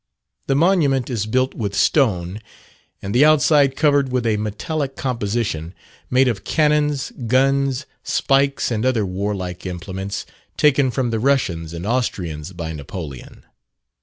The monument is built with stone, and the outside covered with a metallic composition, made of cannons, guns, spikes, and other warlike implements taken from the Russians and Austrians by Napoleon.